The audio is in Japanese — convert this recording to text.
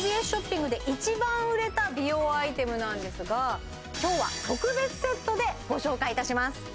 ＴＢＳショッピングで一番売れた美容アイテムなんですが今日は特別セットでご紹介いたします